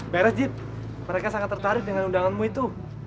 beres jeep mereka sangat tertarik dengan undanganmu itu